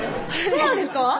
そうなんですか？